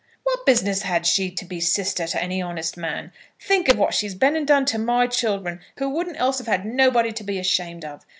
"What business had she to be sister to any honest man? Think of what she's been and done to my children, who wouldn't else have had nobody to be ashamed of.